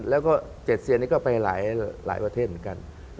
แล้วก็๗เซียนนี่ก็ไปหลายประเทศเหมือนกัน